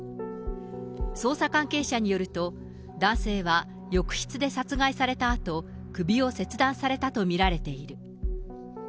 捜査関係者によると、男性は浴室で殺害されたあと、首を切断されたと見られている。